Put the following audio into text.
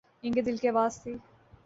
ان کے دل کی آواز تھی۔